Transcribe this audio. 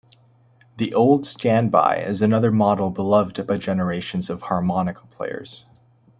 The Old Standby is another model beloved by generations of harmonica players.